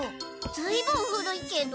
ずいぶん古いけど。